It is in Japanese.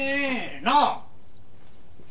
なあ？